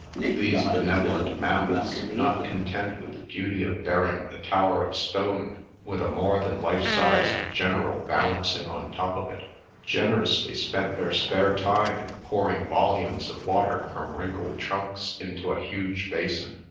These benevolent mammoths, not content with the duty of bearing a tower of stone with a more than life sized general balancing on top of it, generously spent their spare time in pouring volumes of water from wrinkled tnmks into a huge basin.